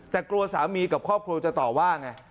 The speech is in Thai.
แต่กลัวสามีกับครอบครัวจะต่อว่าไง